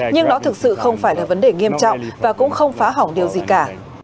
nhưng đó thực sự không phải là vấn đề nghiêm trọng và cũng không phá hỏng điều gì cả